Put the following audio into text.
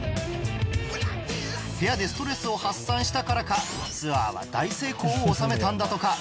部屋でストレスを発散したからかツアーは大成功を収めたんだとか